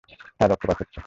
তার রক্তপাত হচ্ছে।